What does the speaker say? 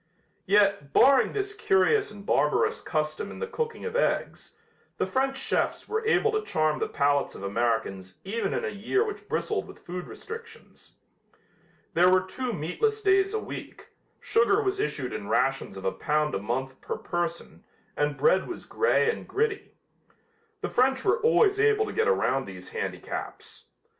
Yet, barring this curious and barbarous custom in the cooking of eggs, the French chefs were able to charm the palates of Americans even in a year which bristled with food restrictions. There were two meatless days a week, sugar was issued in rations of a pound a month per person and bread was gray and gritty. The French were always able to get around these handicaps.